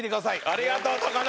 ありがとう高野。